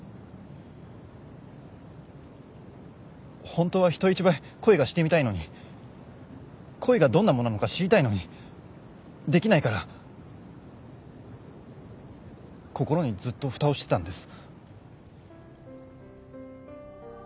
本当は人一倍恋がしてみたいのに恋がどんなものなのか知りたいのにできないから心にずっとふたをしてたんです。